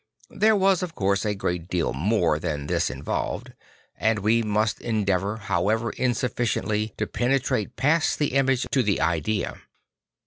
There was, of course, a great deal more than this involved; and we must en deavourhoweverinsufficiently to penetrate past the image to the idea.